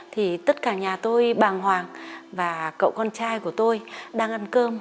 thì tất cả nhà tôi bàng hoàng và cậu con trai của tôi đang ăn cơm